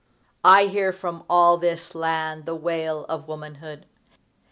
I hear from all this land the wail of woman hood.